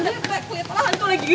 iya baik kulihatlah hantu lagi